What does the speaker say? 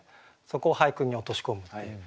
そこを俳句に落とし込むっていう。